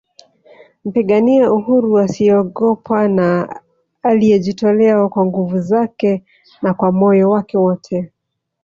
Mpigania uhuru asiyeogopa na aliyejitolea kwa nguvu zake na kwa moyo wake wote